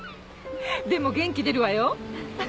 でも元気出るわよ。